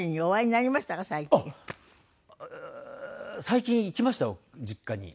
最近行きました実家に。